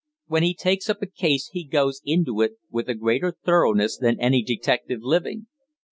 When he takes up a case he goes into it with a greater thoroughness than any detective living."